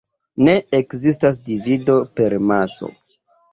Ne ekzistas divido per maso.